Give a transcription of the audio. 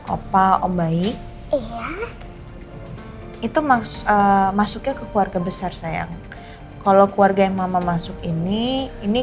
opa om baik itu masuknya ke keluarga besar sayang kalau keluarga yang mama masuk ini ini